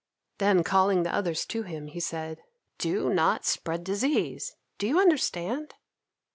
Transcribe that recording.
Then, calling the others to him, he said, "Do not spread disease! Do you understand?"